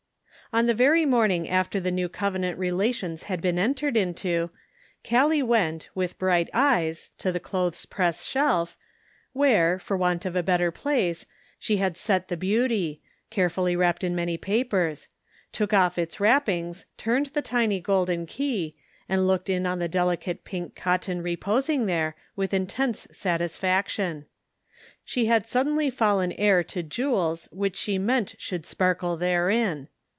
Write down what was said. On the very morning after the new covenant relations had been entered into, Callie went, with bright eyes, to the clothes press shelf, 24 Their Jewels. 25 1 A where, for want of a better place, she had set the beauty, carefully wrapped in many papers, took off its wrappings, turned the tiny golden key, and looked in on the delicate pink cotton reposing there, with intense satisfaction. She had suddenly fallen heir to jewels which she meant should sparkle therein.